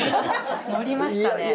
乗りましたね。